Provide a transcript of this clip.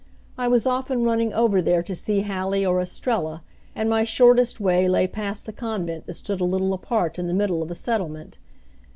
I was often running over there to see Hallie or Estrella, and my shortest way lay past the convent that stood a little apart in the middle of the settlement.